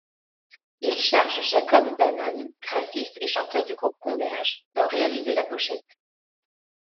Il charge Jacob Bannon, graphiste et chanteur du groupe Converge, d'en réaliser la pochette.